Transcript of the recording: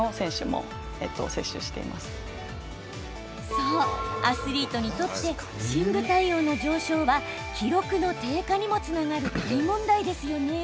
そう、アスリートにとって深部体温の上昇は記録の低下にもつながる大問題。